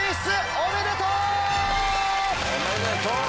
おめでとう。